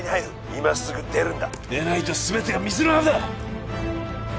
今すぐ出るんだ出ないと全てが水の泡だ！